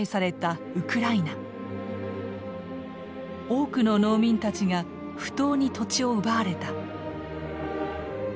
多くの農民たちが不当に土地を奪われた。